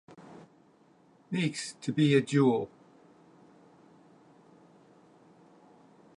Meeks to be a "jewel".